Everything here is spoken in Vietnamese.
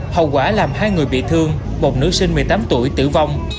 hậu quả làm hai người bị thương một nữ sinh một mươi tám tuổi tử vong